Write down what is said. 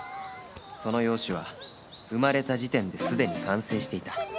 その容姿は生まれた時点ですでに完成していた